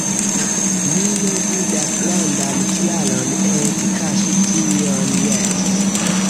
Mi ne vidas grandan kialon ege kaŝi tion – jes.